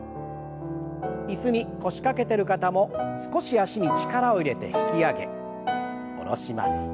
椅子に腰掛けてる方も少し脚に力を入れて引き上げ下ろします。